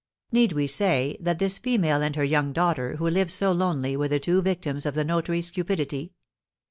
Need we say that this female and her young daughter, who lived so lonely, were the two victims of the notary's cupidity?